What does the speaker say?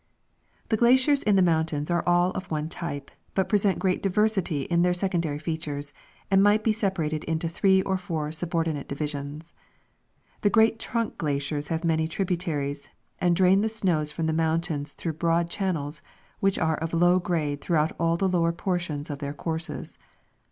The glaciers in the mountains are all of one type, but present great diversity in their secondary features, and might be sepa rated into three or four subordinate divisions. The great trunk glaciers have many tributaries, and drain the snows from the mountains through broad channels, which are of low grade throughout all the lower portions of their courses.